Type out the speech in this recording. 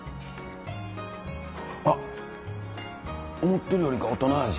思ってるよりか大人味。